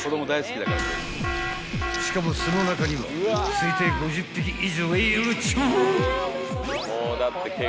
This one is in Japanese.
［しかも巣の中には推定５０匹以上いるっちゅう！］